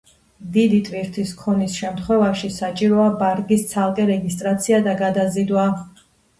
დიდი ტვირთის ქონის შემთხვევაში, საჭიროა ბარგის ცალკე რეგისტრაცია და გადაზიდვა.